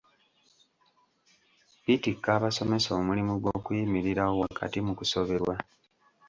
Bitikka abasomesa omulimu gw’okuyimirirawo wakati mu kusoberwa.